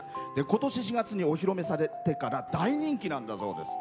ことし４月にお披露目されてから大人気なんです。